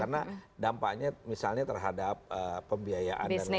karena dampaknya misalnya terhadap pembiayaan dan lain lain